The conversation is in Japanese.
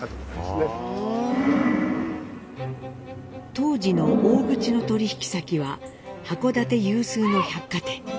当時の大口の取引先は函館有数の百貨店。